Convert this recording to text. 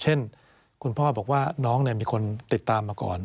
เช่นคุณพ่อบอกว่าน้องมีคนติดตามมาก่อน